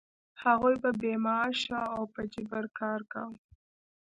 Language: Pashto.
هغوی به بې معاشه او په جبر کار کاوه.